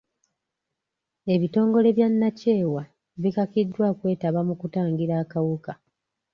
Ebitongole bya nakyewa bikakiddwa okwetaba mu kutangira akawuka.